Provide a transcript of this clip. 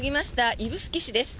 指宿市です。